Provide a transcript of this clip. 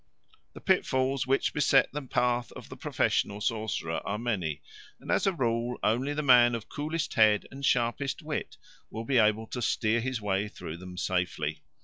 The pitfalls which beset the path of the professional sorcerer are many, and as a rule only the man of coolest head and sharpest wit will be able to steer his way through them safely.